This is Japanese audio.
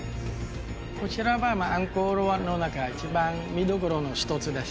こちらはアンコール・ワットの中一番見どころの一つです